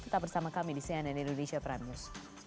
tetap bersama kami di cnn indonesia prime news